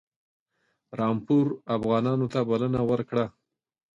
رامپور افغانانو ته بلنه ورکړه.